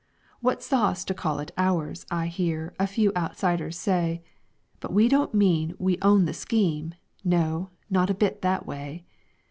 _ _"What sauce to call it 'ours' I hear A few outsiders say. But we don't mean we own the scheme No, not a bit that way.